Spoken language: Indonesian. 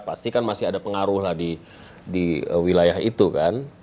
pasti kan masih ada pengaruh lah di wilayah itu kan